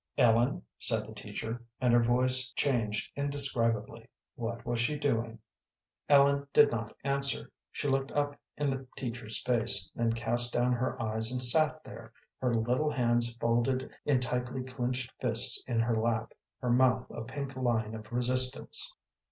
"Ellen," said the teacher, and her voice changed indescribably. "What was she doing?" Ellen did not answer. She looked up in the teacher's face, then cast down her eyes and sat there, her little hands folded in tightly clinched fists in her lap, her mouth a pink line of resistance.